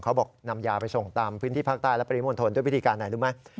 เขาบอกนำยาไปส่งตามพื้นที่ภาคใต้และปริมณฑลด้วยวิธีการไหนรู้ไหม